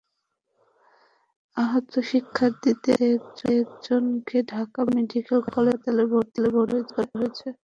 আহত শিক্ষার্থীদের মধ্যে একজনকে ঢাকা মেডিকেল কলেজ হাসপাতালে ভর্তি করা হয়েছে।